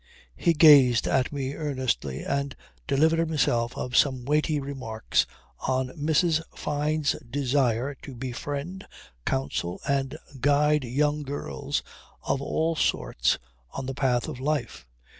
He gazed at me earnestly and delivered himself of some weighty remarks on Mrs. Fyne's desire to befriend, counsel, and guide young girls of all sorts on the path of life.